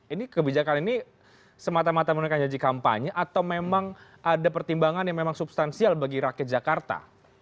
ini kebijakan ini semata mata menunaikan janji kampanye atau memang ada pertimbangan yang memang substansial bagi rakyat jakarta